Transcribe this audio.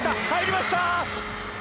入りました！